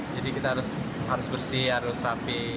jadi kita harus bersih harus rapi